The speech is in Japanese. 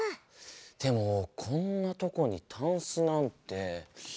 でもこんなとこにタンスなんて。